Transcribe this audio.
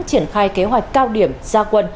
triển khai kế hoạch cao điểm gia quân